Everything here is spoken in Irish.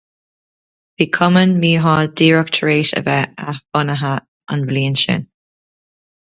Bhí Cumann Mícheál díreach tar éis a bheith athbhunaithe an bhliain sin.